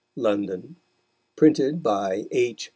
London, Printed by H.